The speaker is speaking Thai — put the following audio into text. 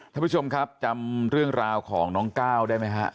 ท่านผู้ชมครับจำเรื่องราวของน้องก้าวได้ไหมฮะ